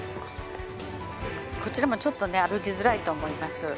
こちらもちょっとね歩きづらいと思います。